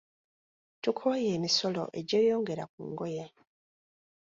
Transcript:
Tukooye emisolo egyeyongera ku ngoye.